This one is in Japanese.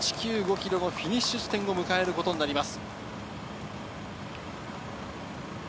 ｋｍのフィニッシュ地点を迎えることになります。